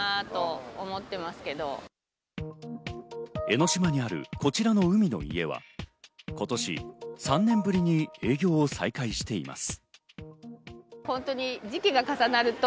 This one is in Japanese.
江の島にあるこちらの海の家は、今年３年ぶりに営業を再開しています。